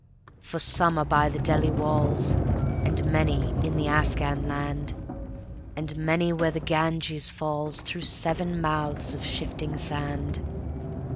For some are by the Delhi walls, And many in the Afghan land, And many where the Ganges fallsThrough seven mouths of shifting sand.